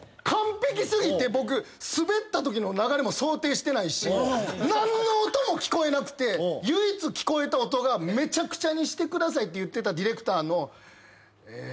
完璧過ぎて僕スベったときの流れも想定してないし何の音も聞こえなくて唯一聞こえた音が「めちゃくちゃにしてください」って言ってたディレクターの「え？」